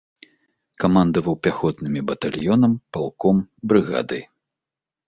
Камандаваў пяхотнымі батальёнам, палком, брыгадай.